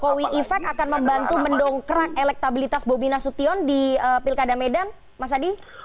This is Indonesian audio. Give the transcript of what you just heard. kalau we effect akan membantu mendongkrak elektabilitas bobby nasution di pilkada medan mas adi